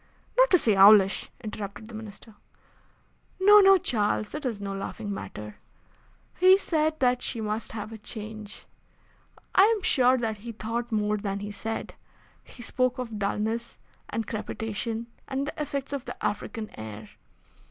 "Not to say owlish," interrupted the Minister. "No, no, Charles; it is no laughing matter. He said that she must have a change. I am sure that he thought more than he said. He spoke of dulness and crepitation, and the effects of the African air.